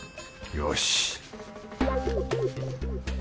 よし